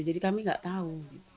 jadi kami nggak tahu